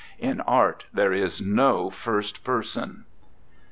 In art there is no first person."